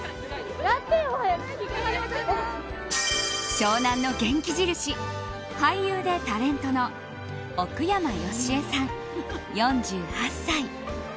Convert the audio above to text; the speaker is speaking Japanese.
湘南の元気印俳優でタレントの奥山佳恵さん、４８歳。